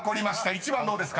１番どうですか？］